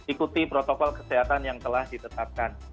ikuti protokol kesehatan yang telah ditetapkan